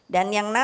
dan yang lainnya